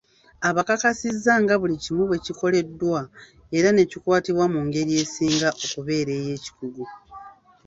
Abakakasiza nga buli kimu bwekikoleddwa era nekikwatibwa mu ngeri esinga okubeera ey'ekikugu.